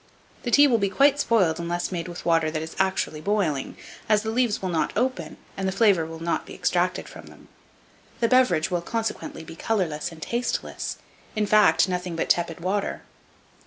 The tea will be quite spoiled unless made with water that is actually 'boiling', as the leaves will not open, and the flavour not be extracted from them; the beverage will consequently be colourless and tasteless, in fact, nothing but tepid water.